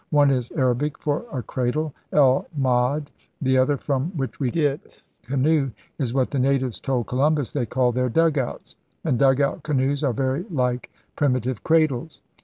One is Arabic for a cradle {el mahd)\ the other, from which we get canoe, is what the natives told Columbus they called their dugouts; and dug out canoes are very like primitive cradles.